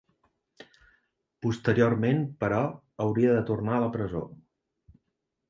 Posteriorment, però, hauria de tornar a la presó.